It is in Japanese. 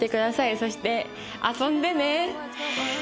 そして遊んでね！